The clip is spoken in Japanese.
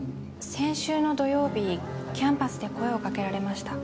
先週の土曜日キャンパスで声をかけられました。